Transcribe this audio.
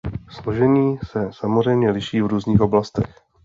Složení se samozřejmě liší v různých oblastech.